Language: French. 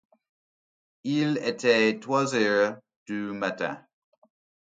Il était trois heures du matin.